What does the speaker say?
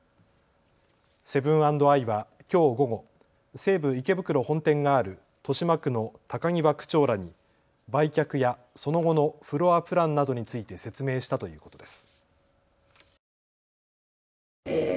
セブン＆アイはきょう午後、西武池袋本店がある豊島区の高際区長らに売却やその後のフロアプランなどについて説明したということです。